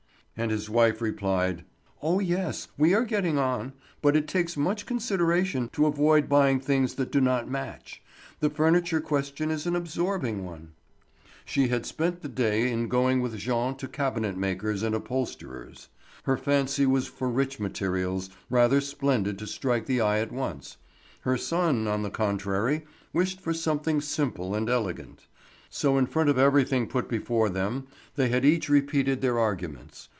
And his wife replied: "Oh, yes. We are getting on. But it takes much consideration to avoid buying things that do not match. The furniture question is an absorbing one." She had spent the day in going with Jean to cabinet makers and upholsterers. Her fancy was for rich materials, rather splendid to strike the eye at once. Her son, on the contrary, wished for something simple and elegant. So in front of everything put before them they had each repeated their arguments.